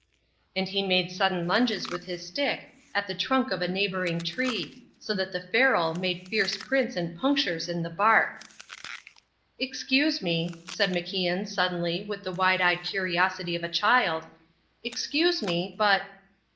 And he made sudden lunges with his stick at the trunk of a neighbouring tree so that the ferrule made fierce prints and punctures in the bark. "Excuse me," said MacIan suddenly with the wide eyed curiosity of a child, "excuse me, but..."